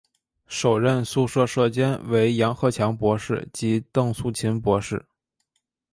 首任宿舍舍监为杨鹤强博士及邓素琴博士。